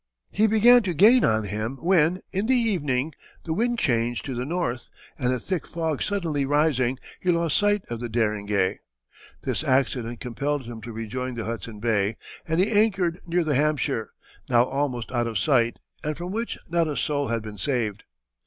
"He began to gain on him when, in the evening, the wind changed to the north, and a thick fog suddenly rising, he lost sight of the Deringue. This accident compelled him to rejoin the Hudson Bay, and he anchored near the Hampshire, now almost out of sight, and from which not a soul had been saved."